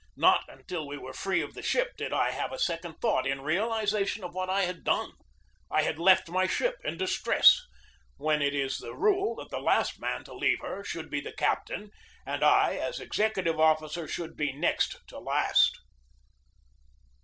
Not until we were free of the ship did I have a second thought in realization of what I had done. I had left my ship in distress, when it is the rule that the last man to leave her should be the captain, and I as executive officer should be next to the last.